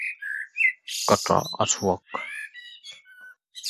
This enabled him to sit in the House of Lords.